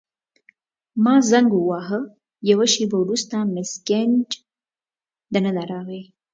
ما زنګ وواهه، یوه شیبه وروسته مس ګیج دننه راغله.